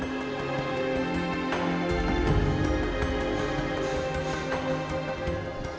kepala kepala selam